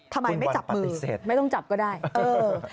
ทำไมไม่จับมือไม่ต้องจับก็ได้คุณวันปฏิเสธ